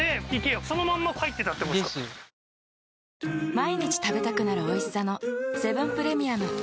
毎日食べたくなる美味しさのセブンプレミアム。